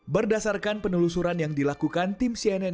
berdasarkan penelusuran yang dilakukan tim cnn